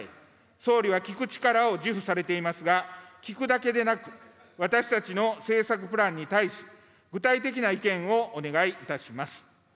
総理は聞く力を自負されていますが、聞くだけでなく、私たちの政策プランに対し、具体的な意見をお願いいたします。